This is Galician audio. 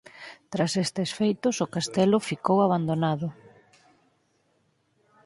Tras estes feitos o castelo ficou abandonado.